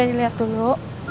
dari sini lihat dulu